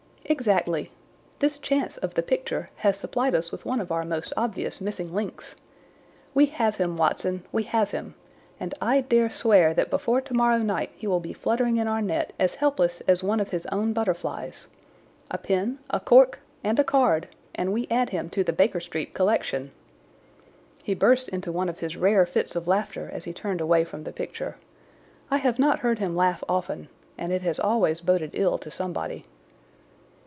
"Exactly. This chance of the picture has supplied us with one of our most obvious missing links. We have him, Watson, we have him, and I dare swear that before tomorrow night he will be fluttering in our net as helpless as one of his own butterflies. A pin, a cork, and a card, and we add him to the Baker Street collection!" He burst into one of his rare fits of laughter as he turned away from the picture. I have not heard him laugh often, and it has always boded ill to somebody.